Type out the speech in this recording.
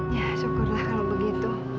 ya syukurlah kalau begitu